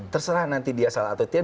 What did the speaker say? terserah nanti dia salah atau tidak